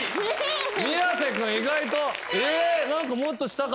宮世君意外と。